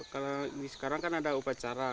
kalau sekarang kan ada upacara